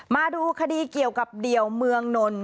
มาดูคดีเกี่ยวกับเดี่ยวเมืองนนท